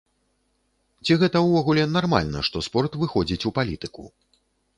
Ці гэта ўвогуле нармальна, што спорт выходзіць у палітыку?